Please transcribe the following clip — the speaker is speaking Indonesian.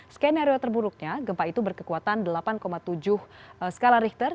skenario terburuknya gempa itu berkekuatan delapan tujuh skala richter